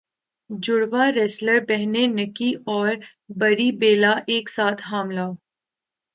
جڑواں wrestler بہنیں Nikki اور بری بیلا ایک ساتھ حاملہ